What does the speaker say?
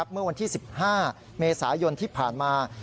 เมื่อวันที่๑๕เมษายนที่ผ่านมา